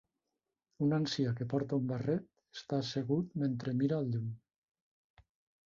un ancià que porta un barret està assegut mentre mira al lluny